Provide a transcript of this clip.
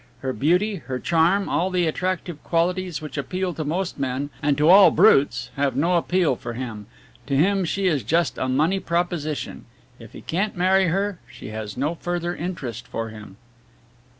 Her beauty, her charm, all the attractive qualities which appeal to most men and to all brutes have no appeal for him to him she is just a money proposition. If he can't marry her, she has no further interest for him."